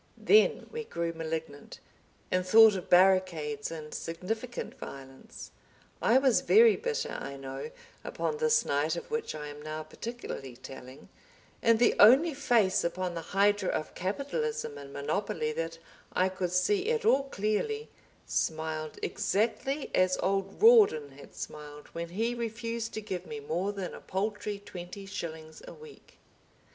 Then we grew malignant, and thought of barricades and significant violence. I was very bitter, I know, upon this night of which I am now particularly telling, and the only face upon the hydra of Capitalism and Monopoly that I could see at all clearly, smiled exactly as old Rawdon had smiled when he refused to give me more than a paltry twenty shillings a week.